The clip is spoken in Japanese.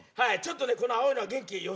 この青いのは元気よ